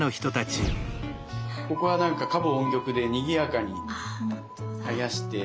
ここはなんか歌舞音曲でにぎやかにはやして。